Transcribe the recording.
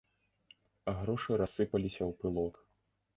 Грошы рассыпаліся ў пылок.